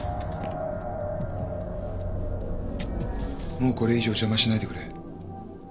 もうこれ以上邪魔しないでくれ。